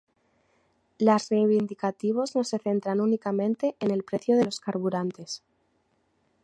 Las reivindicativos no se centran únicamente en el precio de los carburantes.